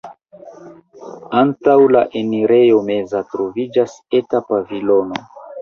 Antaŭ la enirejo meza troviĝas eta pavilono.